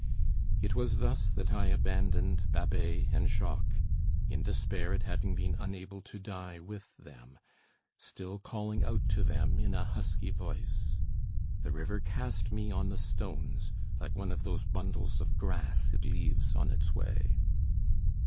It was thus that I abandoned Babet and Jacques, in despair at having been unable to die with them, still calling out to them in a husky voice. The river cast me on the stones, like one of those bundles of grass it leaves on its way.